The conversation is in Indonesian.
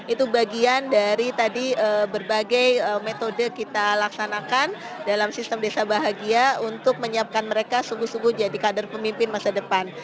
itu bagian dari tadi berbagai metode kita laksanakan dalam sistem desa bahagia untuk menyiapkan mereka sungguh sungguh jadi kader pemimpin masa depan